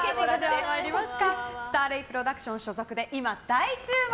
スターレイプロダクション所属で今大注目。